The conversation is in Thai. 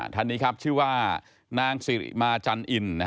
ถัดนี้ครับชื่อว่านางศรีมาจันห์อิน